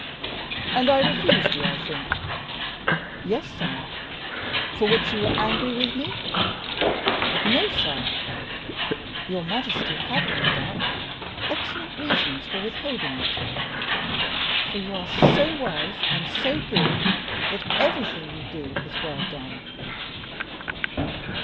"And I refused you, I think?" "Yes, sire." "For which you were angry with me?" "No, sire; your majesty had no doubt excellent reasons for withholding it; for you are so wise and so good that everything you do is well done."